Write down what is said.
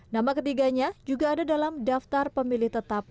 nama ketiganya juga ada dalam daftar pemilih tetap